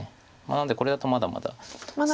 なのでこれだとまだまだ攻めを。